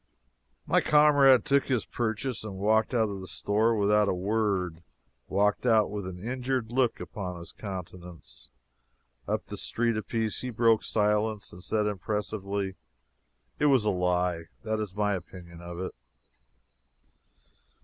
My comrade took his purchase and walked out of the store without a word walked out with an injured look upon his countenance. Up the street apiece he broke silence and said impressively: "It was a lie that is my opinion of it!"